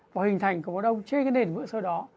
và hình thành cục máu đông trên cái nền vữa sơ đó